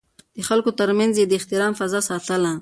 د خلکو ترمنځ يې د احترام فضا ساتله.